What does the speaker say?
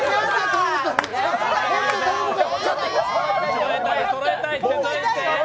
そろえたいそろえたい。